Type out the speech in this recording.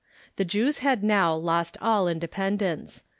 The Jews had now lost all independence.